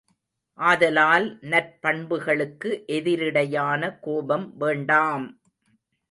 ஆதலால், நற்பண்புகளுக்கு எதிரிடையான கோபம் வேண்டாம்!